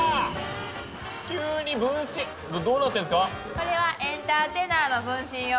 これはエンターテナーの分身よ。